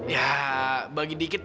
ya bagi dikit